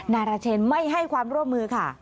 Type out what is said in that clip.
นายราเชนไม่ให้ความร่วมมือค่ะ